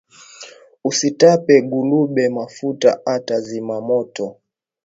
Usitape gulube mafuta ata zima moto